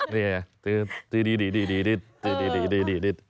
นี่ดี